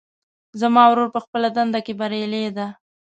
زما ورور په خپله دنده کې بریالی ده